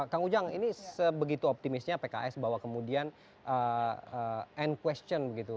kang ujang ini sebegitu optimisnya pks bahwa kemudian end question begitu